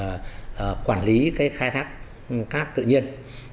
với việc quản lý cái khai thác cát tự nhiên